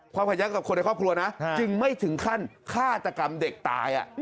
ความขัดแย้งกับคนในครอบครัวนะจึงไม่ถึงขั้นฆาตกรรมเด็กตาย